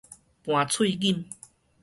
盤喙錦